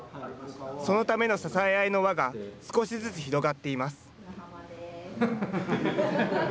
そのための支え合いの輪が少しずつ広がっています。